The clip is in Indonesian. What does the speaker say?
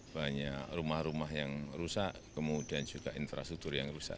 banyak rumah rumah yang rusak kemudian juga infrastruktur yang rusak